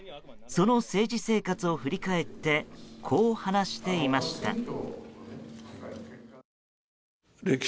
その政治生活を振り返ってこう話していました。